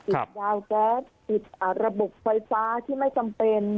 ยาวแก๊สติดระบบไฟฟ้าที่ไม่จำเป็น